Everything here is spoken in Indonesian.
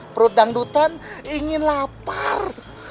perut dangdutan ingin lapar